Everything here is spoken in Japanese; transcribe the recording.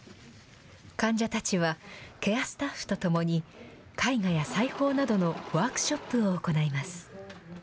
患者たちはケアスタッフと共に、絵画や裁縫などのワークショップを行います。